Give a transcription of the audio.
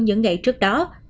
những ngày trước đó